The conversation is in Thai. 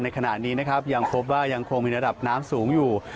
ขณะนี้นะครับยังพบว่ายังคงมีระดับน้ำสูงอยู่